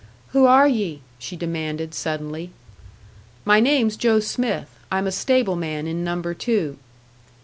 "Who are ye?" she demanded, suddenly. "My name's Joe Smith. I'm a stableman in Number Two."